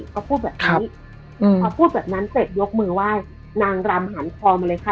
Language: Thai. เขาพูดแบบนี้พอพูดแบบนั้นเสร็จยกมือไหว้นางรำหันคอมาเลยค่ะ